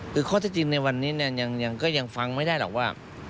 คือข้อที่จริงในวันนี้ยังฟังไม่ได้หรอกว่า